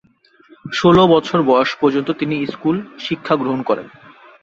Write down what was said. ষোল বছর বয়স পর্যন্ত তিনি স্কুল শিক্ষা গ্রহণ করেন।